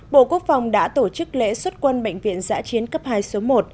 bộ quốc phòng đã tổ chức lễ xuất quân bệnh viện giã chiến cấp hai số một